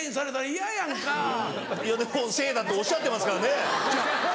いやでもせいだっておっしゃってますからね。